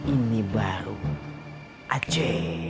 ini baru aja